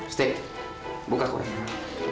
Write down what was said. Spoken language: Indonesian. steve buka qurannya